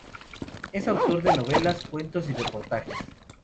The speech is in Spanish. Es autor de novelas, cuentos y reportajes.